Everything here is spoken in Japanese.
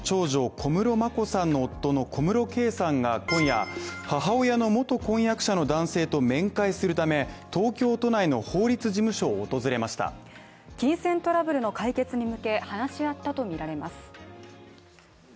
小室眞子さんの夫の小室圭さんが今夜母親の元婚約者の男性と面会するため東京都内の法律事務所を訪れましたが、金銭トラブルの解決に向け、話し合ったとみられます。